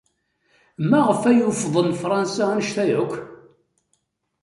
Maɣef ay ukḍen Fṛansa anect-a akk?